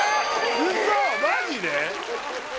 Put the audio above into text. ウソマジで？